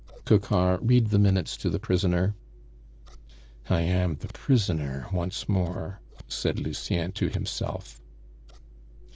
"Coquart, read the minutes to the prisoner." "I am the prisoner once more," said Lucien to himself.